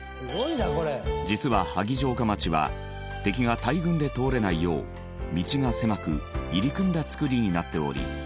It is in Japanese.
実は萩城下町は敵が大群で通れないよう道が狭く入り組んだ造りになっており。